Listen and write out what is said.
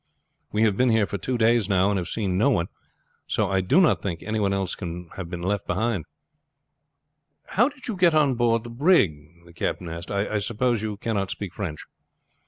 We have been here for two days now and have seen no one, so I do not think any one else can have been left." "How did you get on on board the brig?" the captain asked. "I suppose you cannot speak French?"